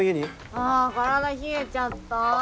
あぁ体冷えちゃった。